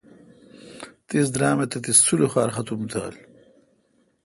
تیس درام تتی سلوخار ختُم تھال۔